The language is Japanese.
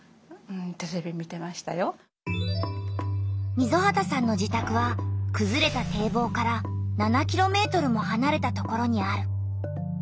溝端さんの自たくはくずれた堤防から７ｋｍもはなれたところにある。